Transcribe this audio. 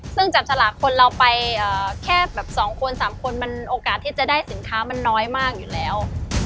ซึ่งจับฉลากคนเราไปแค่แบบ๒คน๓คนมันโอกาสที่จะได้สินค้ามันน้อยมากอยู่แล้ว